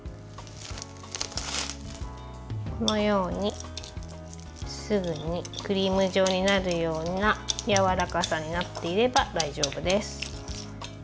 このようにすぐにクリーム状になるようなやわらかさになっていれば大丈夫です。